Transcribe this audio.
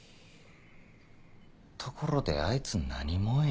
ところであいつ何者や？